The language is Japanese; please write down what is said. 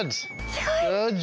すごい！